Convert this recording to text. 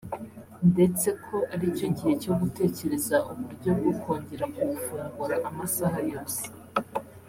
ndetse ko ari cyo gihe cyo gutekereza uburyo bwo kongera kuwufungura amasaha yose